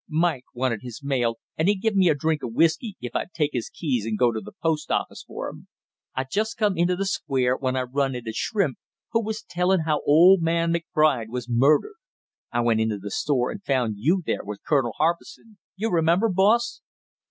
Mike wanted his mail and he give me a drink of whisky if I'd take his keys and go to the post office for him; I'd just come into the Square when I run into Shrimp who was tellin' how old man McBride was murdered. I went into the store and found you there with Colonel Harbison, you remember, boss?"